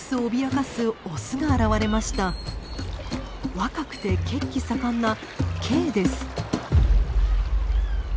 若くて血気盛んなＫです。